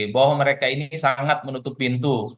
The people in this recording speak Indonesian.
bahwa mereka ini sangat menutup pintu